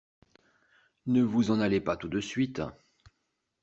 Ne vous en allez pas tout de suite.